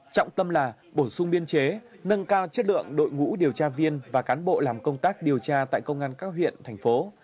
trọng tâm là bổ sung biên chế nâng cao chất lượng đội ngũ điều tra viên và cán bộ làm công tác điều tra tại công an các huyện thành phố